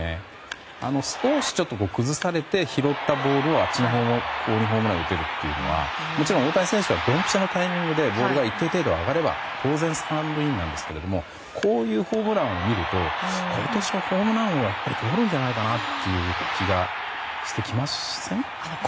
崩されて拾ったボールをあっちの方向にホームランを打てるというのはもちろん大谷選手はドンピシャのタイミングでボールが上がれば当然スタンドインなんですけどこういうホームランを見ると今年のホームラン王はやっぱりとれるんじゃないかという気がしてきません？